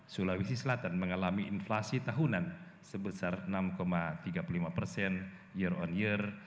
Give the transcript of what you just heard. sulawesi selatan mengalami inflasi tahunan sebesar enam tiga puluh lima persen year on year